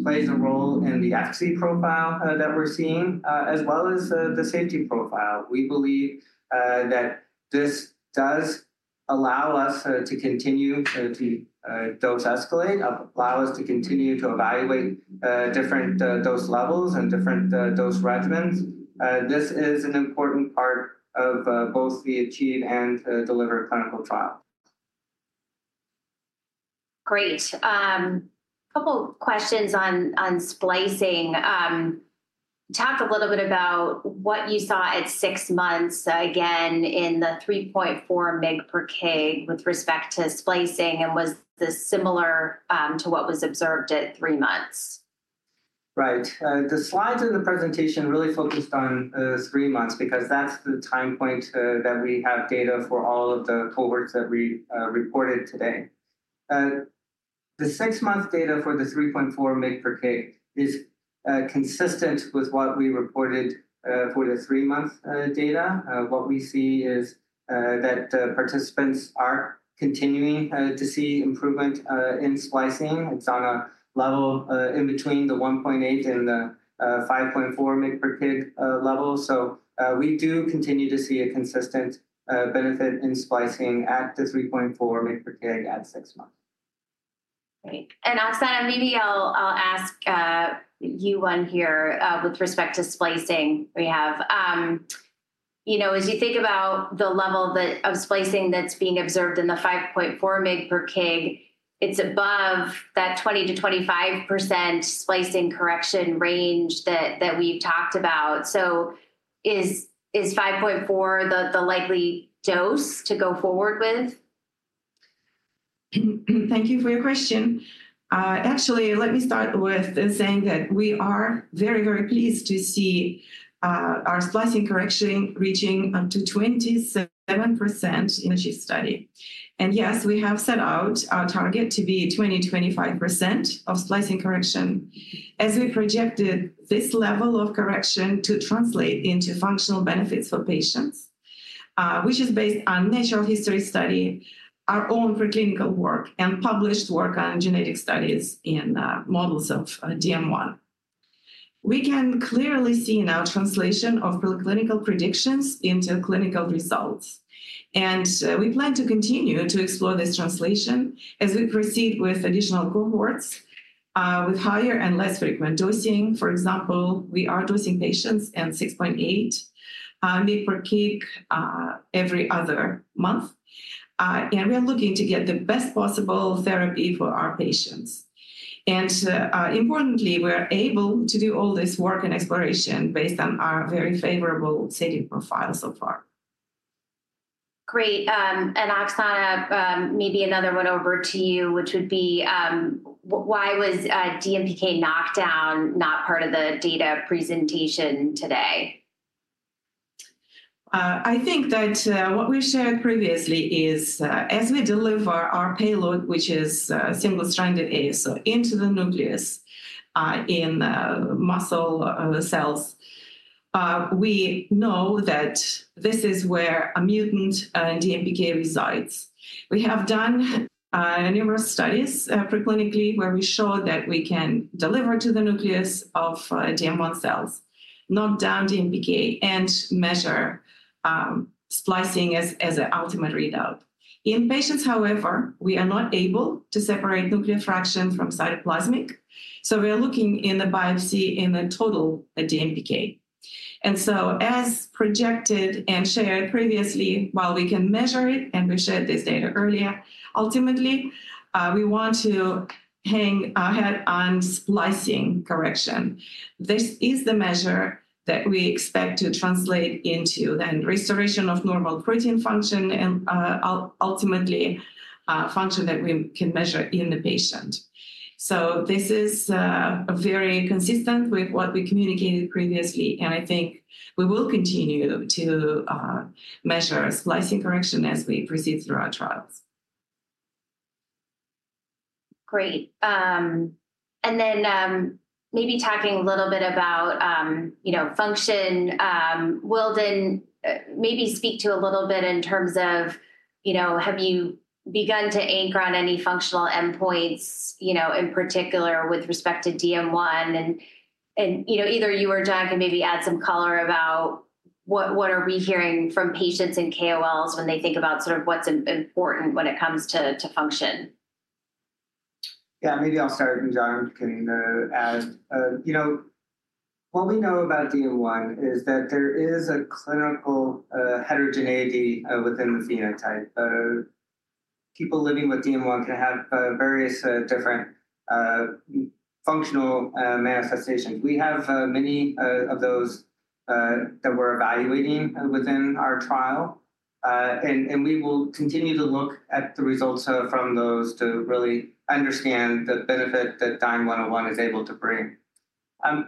plays a role in the efficacy profile that we're seeing as well as the safety profile. We believe that this does allow us to continue to dose escalate, allow us to continue to evaluate different dose levels and different dose regimens. This is an important part of both the ACHIEVE and DELIVER clinical trial. Great. Couple questions on splicing. Talk a little bit about what you saw at six months, again, in the 3.4 mg/kg with respect to splicing, and was this similar to what was observed at three months? Right. The slides in the presentation really focused on three months, because that's the time point that we have data for all of the cohorts that we reported today. The six-month data for the 3.4 mg/kg is consistent with what we reported for the three-month data. What we see is that participants are continuing to see improvement in splicing. It's on a level in between the 1.8 and the 5.4 mg/kg level. So, we do continue to see a consistent benefit in splicing at the 3.4 mg/kg at 6 months. Great. And Oxana, maybe I'll ask you one here with respect to splicing. We have, you know, as you think about the level of splicing that's being observed in the 5.4 mg/kg, it's above that 20%-25% splicing correction range that we've talked about. So is 5.4 the likely dose to go forward with? Thank you for your question. Actually, let me start with saying that we are very, very pleased to see our splicing correction reaching up to 27% in the ACHIEVE study. And yes, we have set out our target to be 20%-25% of splicing correction. As we projected this level of correction to translate into functional benefits for patients, which is based on natural history study, our own preclinical work, and published work on genetic studies in models of DM1. We can clearly see now translation of preclinical predictions into clinical results. And we plan to continue to explore this translation as we proceed with additional cohorts with higher and less frequent dosing. For example, we are dosing patients at 6.8 mg per kg every other month. We are looking to get the best possible therapy for our patients. Importantly, we're able to do all this work and exploration based on our very favorable safety profile so far. Great, and Oxana, maybe another one over to you, which would be, why was DMPK knockdown not part of the data presentation today? I think that what we shared previously is that, as we deliver our payload, which is single-stranded ASO, into the nucleus in muscle cells, we know that this is where a mutant DMPK resides. We have done numerous studies preclinically, where we show that we can deliver to the nucleus of DM1 cells, knock down DMPK, and measure splicing as a ultimate readout. In patients, however, we are not able to separate nuclear fraction from cytoplasmic, so we are looking in the biopsy in the total DMPK. And so as projected and shared previously, while we can measure it, and we shared this data earlier, ultimately we want to hang our head on splicing correction. This is the measure that we expect to translate into the restoration of normal protein function and, ultimately, function that we can measure in the patient. So this is, very consistent with what we communicated previously, and I think we will continue to measure splicing correction as we proceed through our trials. Great, and then, maybe talking a little bit about, you know, function, Wildon, maybe speak to a little bit in terms of, you know, have you begun to anchor on any functional endpoints, you know, in particular with respect to DM1? And, and, you know, either you or John can maybe add some color about what, what are we hearing from patients and KOLs when they think about sort of what's important when it comes to, to function? Yeah, maybe I'll start, and John can add. You know, what we know about DM1 is that there is a clinical heterogeneity within the phenotype. People living with DM1 can have various different functional manifestations. We have many of those that we're evaluating within our trial, and we will continue to look at the results from those to really understand the benefit that DYNE-101 is able to bring.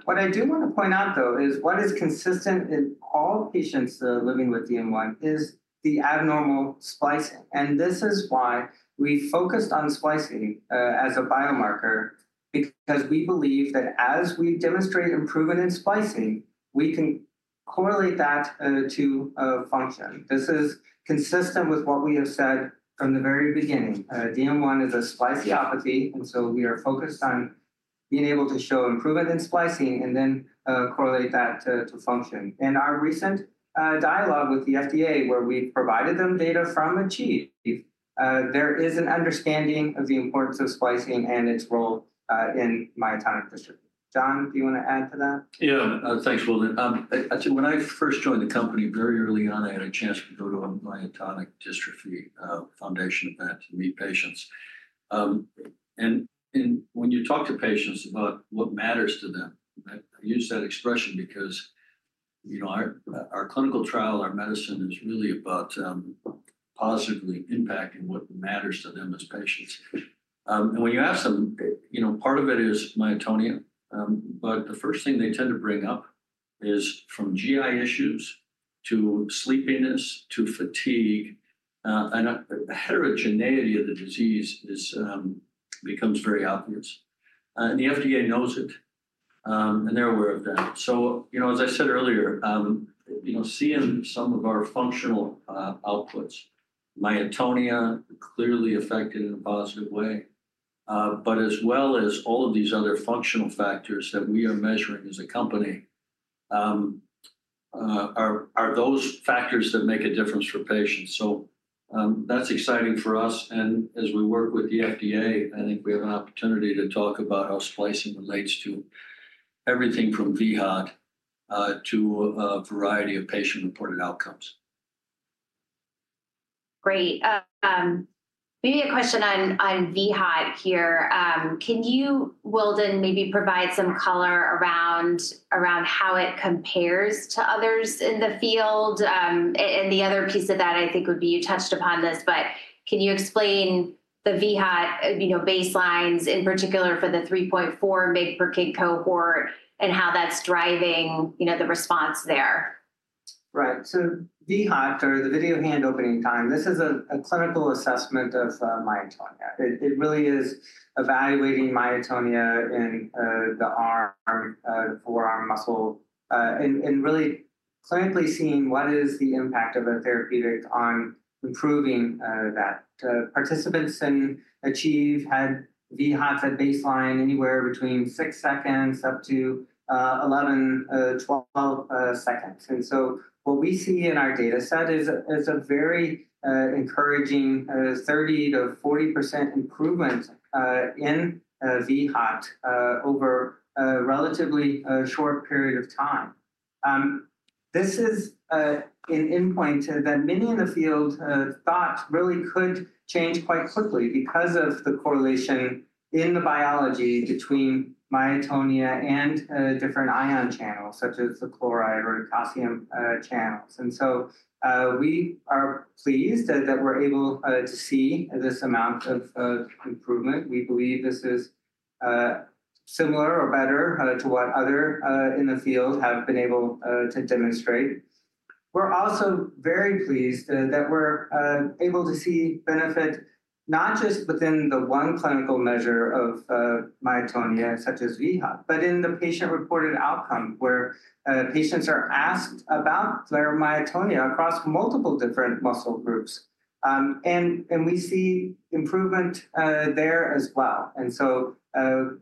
What I do wanna point out, though, is what is consistent in all patients living with DM1 is the abnormal splicing. And this is why we focused on splicing as a biomarker, because we believe that as we demonstrate improvement in splicing, we can correlate that to a function. This is consistent with what we have said from the very beginning. DM1 is a spliceopathy, and so we are focused on being able to show improvement in splicing and then correlate that to function. In our recent dialogue with the FDA, where we provided them data from ACHIEVE, there is an understanding of the importance of splicing and its role in myotonic dystrophy. John, do you wanna add to that? Yeah, thanks, Wildon. Actually, when I first joined the company, very early on, I had a chance to go to a Myotonic Dystrophy Foundation event to meet patients. And when you talk to patients about what matters to them, I use that expression because, you know, our clinical trial, our medicine is really about positively impacting what matters to them as patients. And when you ask them, you know, part of it is myotonia, but the first thing they tend to bring up is from GI issues to sleepiness to fatigue, and a heterogeneity of the disease becomes very obvious. And the FDA knows it, and they're aware of that. So, you know, as I said earlier, you know, seeing some of our functional outputs, myotonia clearly affected in a positive way, but as well as all of these other functional factors that we are measuring as a company, are those factors that make a difference for patients? So, that's exciting for us, and as we work with the FDA, I think we have an opportunity to talk about how splicing relates to everything from VHOT to a variety of patient-reported outcomes. Great. Maybe a question on vHOT here. Can you, Wildon, maybe provide some color around how it compares to others in the field? And the other piece of that, I think, would be, you touched upon this, but can you explain the vHOT, you know, baselines, in particular for the 3.4 mg per kg cohort, and how that's driving, you know, the response there? Right. So vHOT, or the video hand opening time, this is a clinical assessment of myotonia. It really is evaluating myotonia in the arm, forearm muscle, and really clinically seeing what is the impact of a therapeutic on improving that. Participants in ACHIEVE had vHOT at baseline anywhere between 6 seconds up to 11, 12 seconds. And so what we see in our data set is a very encouraging 30%-40% improvement in vHOT over a relatively short period of time. This is an endpoint that many in the field thought really could change quite quickly because of the correlation in the biology between myotonia and different ion channels, such as the chloride or potassium channels. And so, we are pleased that we're able to see this amount of improvement. We believe this is similar or better to what others in the field have been able to demonstrate. We're also very pleased that we're able to see benefit not just within the one clinical measure of myotonia, such as vHOT, but in the patient-reported outcome, where patients are asked about their myotonia across multiple different muscle groups. And we see improvement there as well. And so,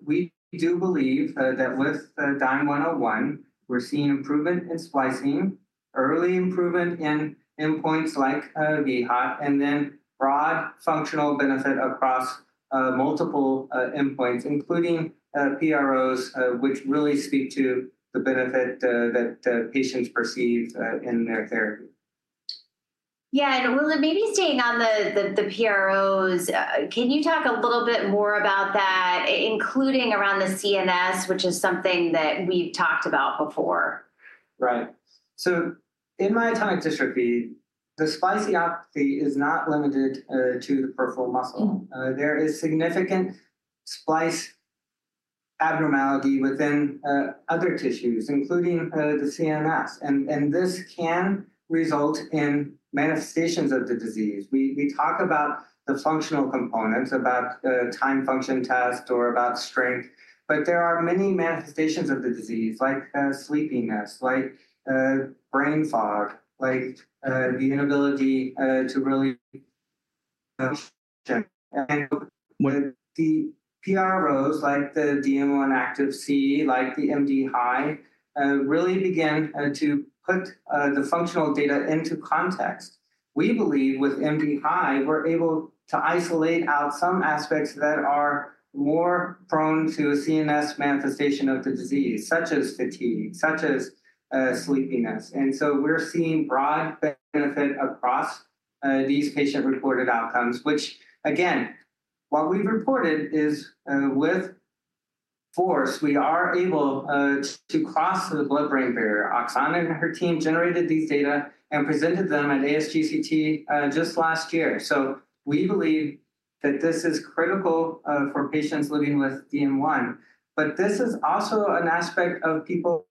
we do believe that with DYNE-101, we're seeing improvement in splicing, early improvement in endpoints like vHOT, and then broad functional benefit across multiple endpoints, including PROs, which really speak to the benefit that patients perceive in their therapy. Yeah, and well, maybe staying on the PROs, can you talk a little bit more about that, including around the CNS, which is something that we've talked about before? Right. So in myotonic dystrophy, the spliceopathy is not limited to the peripheral muscle. There is significant splice abnormality within other tissues, including the CNS, and this can result in manifestations of the disease. We talk about the functional components, about the time function test or about strength, but there are many manifestations of the disease, like sleepiness, like brain fog, like the inability to really... With the PROs, like the DM1-ACTIVc, like the MDHI, really begin to put the functional data into context. We believe with MDHI, we're able to isolate out some aspects that are more prone to a CNS manifestation of the disease, such as fatigue, such as sleepiness. And so we're seeing broad benefit across these patient-reported outcomes, which again, what we've reported is, with FORCE, we are able to cross the blood-brain barrier. Oksana and her team generated these data and presented them at ASGCT, just last year. So we believe that this is critical, for patients living with DM1. But this is also an aspect of people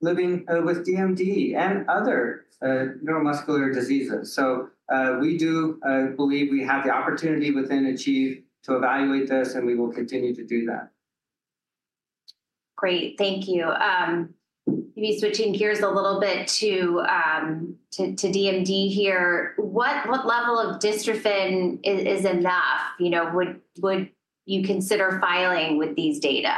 living, with DMD and other, neuromuscular diseases. So, we do, believe we have the opportunity within ACHIEVE to evaluate this, and we will continue to do that. Great, thank you. Maybe switching gears a little bit to DMD here, what level of dystrophin is enough? You know, would you consider filing with these data?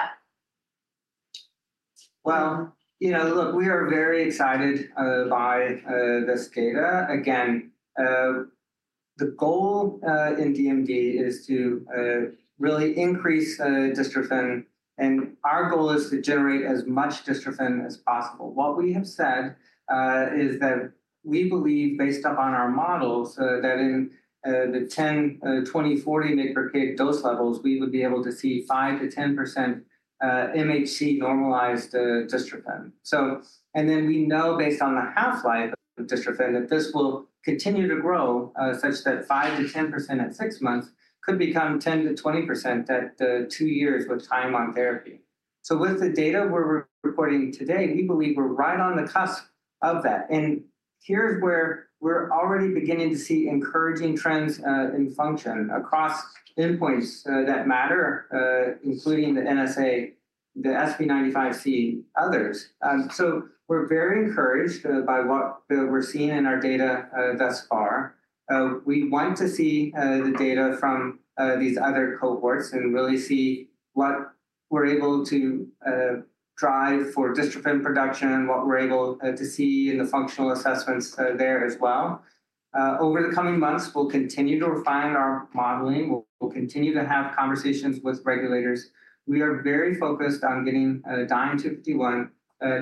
Well, you know, look, we are very excited by this data. Again, the goal in DMD is to really increase dystrophin, and our goal is to generate as much dystrophin as possible. What we have said is that we believe, based upon our models, that in the 10, 20, 40 mg/kg dose levels, we would be able to see 5%-10% MHC normalized dystrophin. So, and then we know, based on the half-life of dystrophin, that this will continue to grow such that 5%-10% at 6 months could become 10%-20% at 2 years with time on therapy. So with the data we're reporting today, we believe we're right on the cusp of that. Here's where we're already beginning to see encouraging trends in function across endpoints that matter, including the NSAA, the SV95C, others. So we're very encouraged by what we're seeing in our data thus far. We want to see the data from these other cohorts and really see what we're able to drive for dystrophin production and what we're able to see in the functional assessments there as well. Over the coming months, we'll continue to refine our modeling. We'll continue to have conversations with regulators. We are very focused on getting DYNE-251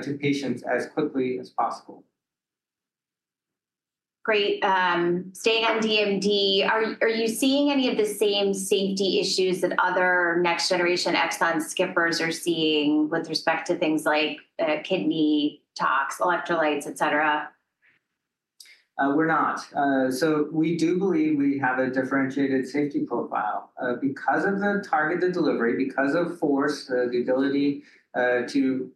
to patients as quickly as possible. Great. Staying on DMD, are you seeing any of the same safety issues that other next-generation exon skippers are seeing with respect to things like, kidney tox, electrolytes, et cetera? We're not. So we do believe we have a differentiated safety profile. Because of the targeted delivery, because of FORCE, the ability to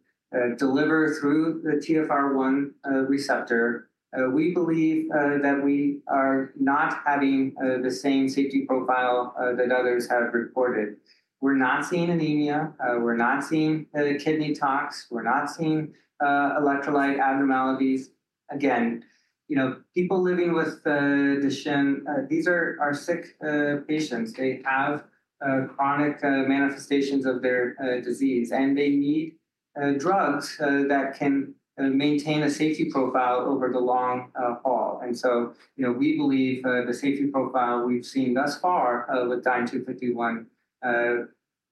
deliver through the TfR1 receptor, we believe that we are not having the same safety profile that others have reported. We're not seeing anemia, we're not seeing kidney tox, we're not seeing electrolyte abnormalities. Again, you know, people living with Duchenne, these are sick patients. They have chronic manifestations of their disease, and they need drugs that can maintain a safety profile over the long haul. And so, you know, we believe the safety profile we've seen thus far with DYNE-251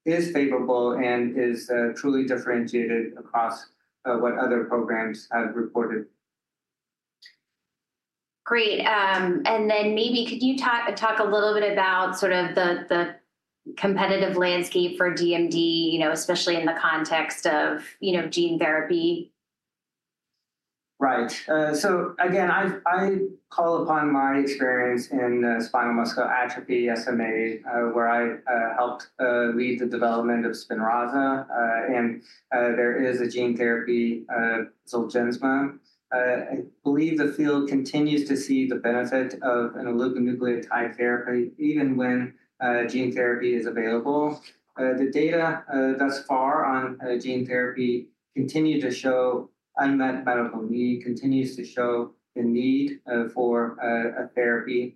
is favorable and is truly differentiated across what other programs have reported. Great. And then maybe could you talk a little bit about sort of the competitive landscape for DMD, you know, especially in the context of, you know, gene therapy? Right. So again, I call upon my experience in spinal muscular atrophy, SMA, where I helped lead the development of Spinraza. And there is a gene therapy, Zolgensma. I believe the field continues to see the benefit of an oligonucleotide therapy, even when gene therapy is available. The data thus far on gene therapy continue to show unmet medical need, continues to show the need for a therapy.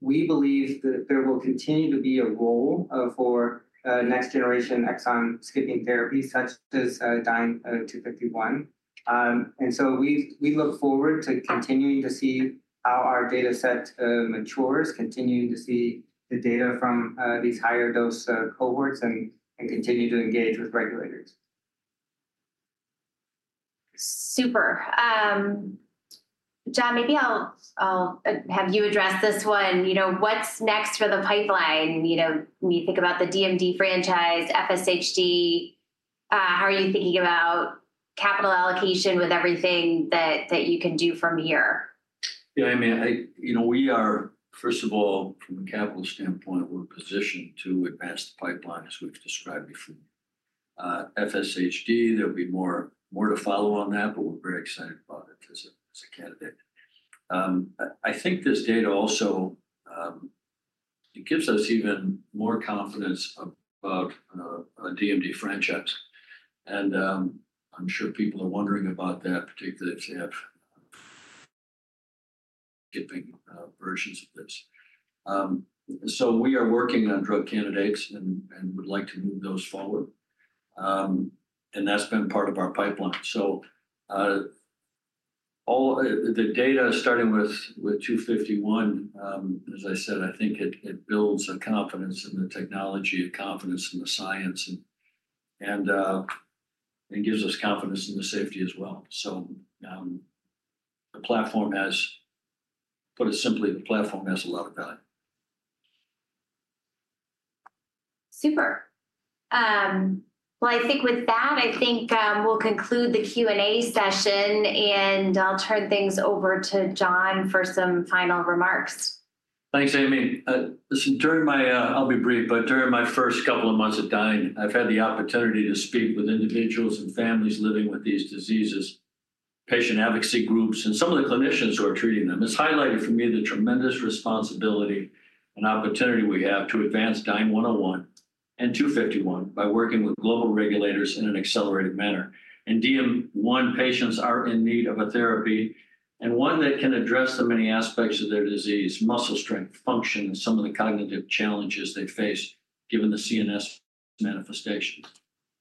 We believe that there will continue to be a role for next generation exon skipping therapy, such as DYNE-251. And so we look forward to continuing to see how our data set matures, continuing to see the data from these higher dose cohorts, and continue to engage with regulators. Super. John, maybe I'll have you address this one. You know, what's next for the pipeline? You know, when you think about the DMD franchise, FSHD, how are you thinking about capital allocation with everything that you can do from here? Yeah, I mean, You know, we are, first of all, from a capital standpoint, we're positioned to advance the pipeline, as we've described before. FSHD, there'll be more to follow on that, but we're very excited about it as a candidate. I think this data also, it gives us even more confidence about our DMD franchise. And, I'm sure people are wondering about that, particularly if they have skipping versions of this. So we are working on drug candidates and would like to move those forward. And that's been part of our pipeline. So, all the data, starting with DYNE-251, as I said, I think it builds the confidence in the technology and confidence in the science, and it gives us confidence in the safety as well. The platform has... To put it simply, the platform has a lot of value. Super. Well, I think with that, I think, we'll conclude the Q&A session, and I'll turn things over to John for some final remarks. Thanks, Amy. Listen, during my first couple of months at Dyne, I've had the opportunity to speak with individuals and families living with these diseases, patient advocacy groups, and some of the clinicians who are treating them. It's highlighted for me the tremendous responsibility and opportunity we have to advance DYNE-101 and DYNE-251 by working with global regulators in an accelerated manner. DM1 patients are in need of a therapy, and one that can address the many aspects of their disease: muscle strength, function, and some of the cognitive challenges they face, given the CNS manifestations.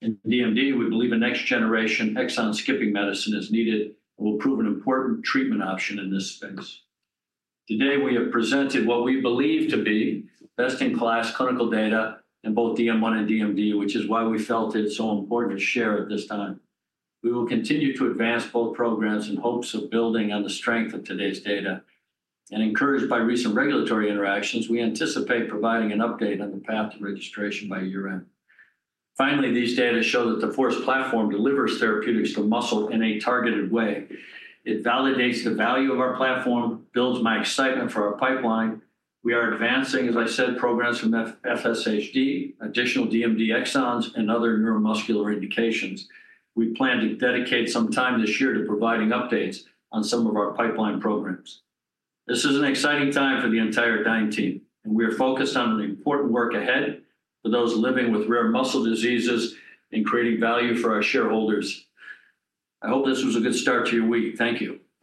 In DMD, we believe a next generation exon skipping medicine is needed and will prove an important treatment option in this space. Today, we have presented what we believe to be best-in-class clinical data in both DM1 and DMD, which is why we felt it so important to share at this time. We will continue to advance both programs in hopes of building on the strength of today's data. Encouraged by recent regulatory interactions, we anticipate providing an update on the path to registration by year-end. Finally, these data show that the FORCE platform delivers therapeutics to muscle in a targeted way. It validates the value of our platform, builds my excitement for our pipeline. We are advancing, as I said, programs from FSHD, additional DMD exons, and other neuromuscular indications. We plan to dedicate some time this year to providing updates on some of our pipeline programs. This is an exciting time for the entire Dyne team, and we are focused on the important work ahead for those living with rare muscle diseases and creating value for our shareholders. I hope this was a good start to your week. Thank you.